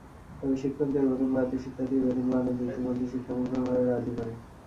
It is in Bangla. তবে শিক্ষকদের বেতন বাড়াতে শিক্ষার্থীর বেতন বাড়ানোর যুক্তি মানতে শিক্ষা মন্ত্রণালয় রাজি নয়।